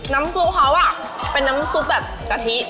น้ำซุปเขาเป็นน้ำซุปแบบกะทิ